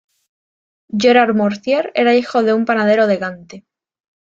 Gerard Mortier era hijo de un panadero de Gante.